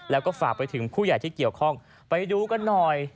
แล้วก็ฝากไปถึงผู้ใหญ่ที่เกี่ยวข้องไปดูกันหน่อย